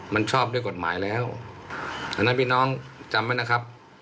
มันชอบด้วยกฎหมายแล้วอันนั้นพี่น้องจำไว้นะครับ